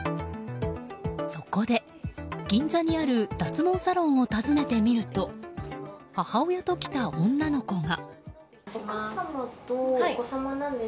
そこで、銀座にある脱毛サロンを訪ねてみると母親と来た女の子が。